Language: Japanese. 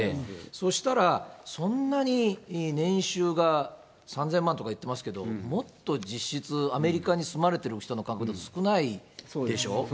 そしたら、そんなに年収が３０００万とかいってますけど、もっと実質、アメリカに住まわれてる人の感覚だと少ないでしょう。